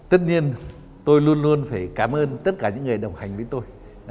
tất nhiên tôi luôn luôn phải cảm ơn tất cả những người đồng hành với tôi